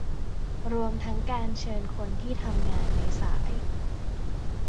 รวมทั้งการเชิญคนที่ทำงานในสาย